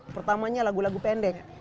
pertamanya lagu lagu pendek